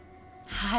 はい。